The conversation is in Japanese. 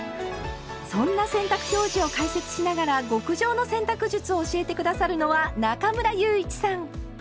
そんな洗濯表示を解説しながら極上の洗濯術を教えて下さるのは中村祐一さん。